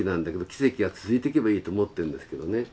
奇跡が続いていけばいいと思ってるんですけどね。